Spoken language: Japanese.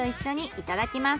いただきます。